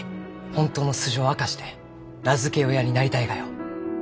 本当の素性を明かして名付け親になりたいがよ。